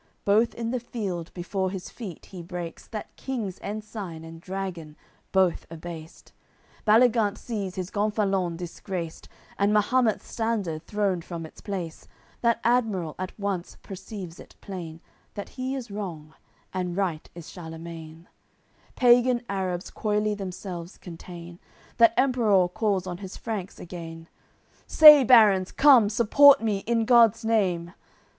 Both in the field before his feet he breaks That king's ensign and dragon, both abased. Baligant sees his gonfalon disgraced, And Mahumet's standard thrown from its place; That admiral at once perceives it plain, That he is wrong, and right is Charlemain. Pagan Arabs coyly themselves contain; That Emperour calls on his Franks again: "Say, barons, come, support me, in God's Name!"